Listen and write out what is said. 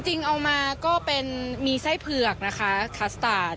เอามาก็เป็นมีไส้เผือกนะคะคัสตาร์ท